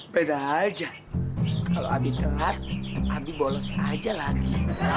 beda aja kalau abis telat abis bolos aja lagi